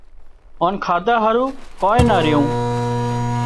هانَ کاڌا هارو ڪانئين نا ريون